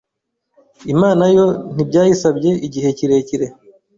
Imana yo ntibyayisabye igihe kirekire